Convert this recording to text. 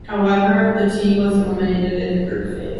However, the team was eliminated in the group phase.